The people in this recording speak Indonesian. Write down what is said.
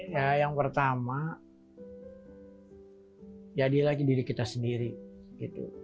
ya yang pertama jadi lagi diri kita sendiri gitu